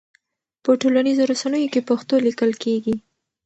په ټولنيزو رسنيو کې پښتو ليکل کيږي.